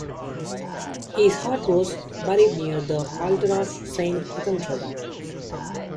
His heart was buried near the altar of Saint Etheldreda.